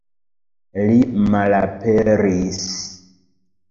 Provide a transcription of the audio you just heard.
Li malaperis!